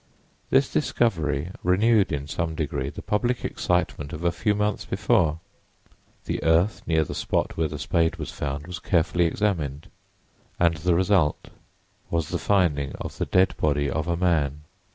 This discovery renewed, in some degree, the public excitement of a few months before. The earth near the spot where the spade was found was carefully examined, and the result was the finding of the dead body of a man.